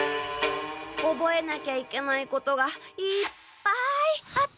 おぼえなきゃいけないことがいっぱいあったから。